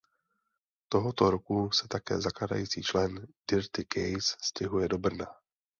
Tohoto roku se také zakládající člen Dirty Case stěhuje do Brna.